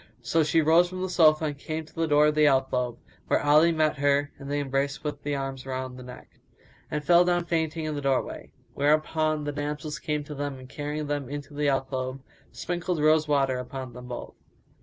So she rose from the sofa and came to the door of the alcove, where Ali met her and they embraced with arms round the neck, and fell down fainting in the doorway; whereupon the damsels came to them and carrying them into the alcove, sprinkled rose water upon them both.